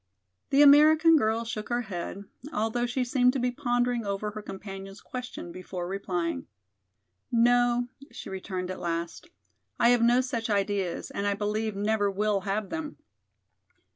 The American girl shook her head, although she seemed to be pondering over her companion's question before replying. "No," she returned at last. "I have no such ideas and I believe never will have them.